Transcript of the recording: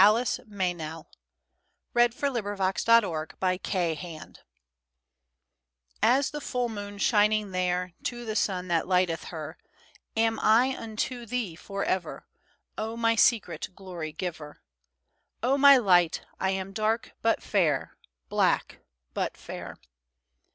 THE POET SINGS TO HER POET THE MOON TO THE SUN As the full moon shining there To the sun that lighteth her Am I unto thee for ever, O my secret glory giver! O my light, I am dark but fair, Black but fair.